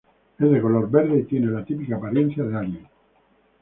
Es de color verde y tiene la típica apariencia de alien.